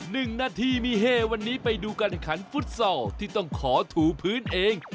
หนึ่งนาทีมีเฮวันนี้ไปดูการแข่งขันฟุตซอลที่ต้องขอถูพื้นเอง